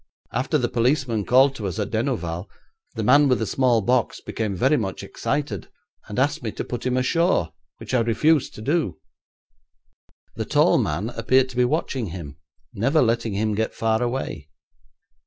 After the policeman called to us at Denouval the man with the small box became very much excited, and asked me to put him ashore, which I refused to do. The tall man appeared to be watching him, never letting him get far away.